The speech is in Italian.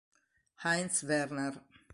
Heinz Werner